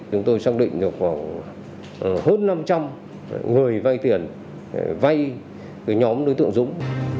chúng tôi xác định được hơn năm trăm linh người vay tiền vay nhóm đối tượng dũng